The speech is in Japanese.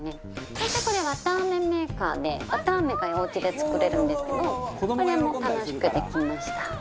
そしてこれわたあめメーカーでわたあめがおうちで作れるんですけどこれも楽しくできました。